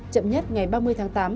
chậm nhất ngày ba mươi tháng tám